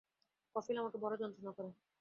কফিল আমারে বড় যন্ত্রণা করে।